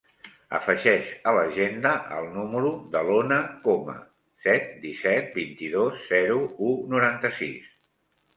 Afegeix a l'agenda el número de l'Ona Coma: set, disset, vint-i-dos, zero, u, noranta-sis.